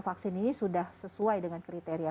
vaksin ini sudah sesuai dengan kriteria